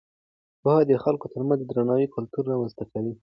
پوهه د خلکو ترمنځ د درناوي کلتور رامینځته کوي.